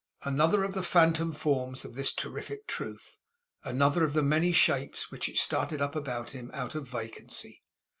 Another of the phantom forms of this terrific Truth! Another of the many shapes in which it started up about him, out of vacancy.